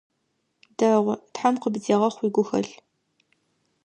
Дэгъу, тхьэм къыбдегъэхъу уигухэлъ!